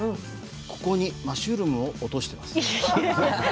ここにマッシュルームを落としています。